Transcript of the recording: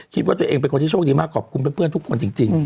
คิดว่าตัวเองเป็นคนที่โชคดีมากขอบคุณเพื่อนทุกคนจริง